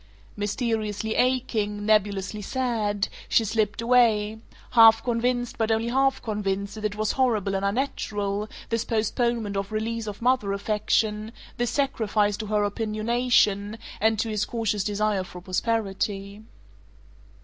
Mysteriously aching, nebulously sad, she slipped away, half convinced but only half convinced that it was horrible and unnatural, this postponement of release of mother affection, this sacrifice to her opinionation and to his cautious desire for prosperity.